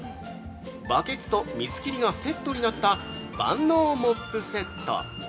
バケツと水切りがセットになった万能モップセット！